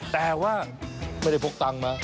แต่ว่าไม่ได้พกตังค์มา